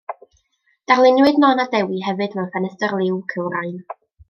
Darluniwyd Non a Dewi hefyd mewn ffenestr liw cywrain.